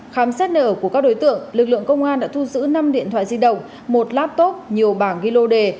khám xét nở của các đối tượng lực lượng công an đã thu giữ năm điện thoại di động một laptop nhiều bảng ghi lô đề